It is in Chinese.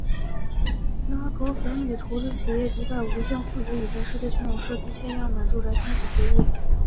拉格斐与投资企业迪拜无限控股以在世界群岛设计限量版住宅签署协议。